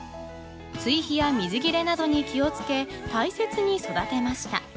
追肥や水切れなどに気をつけ大切に育てました。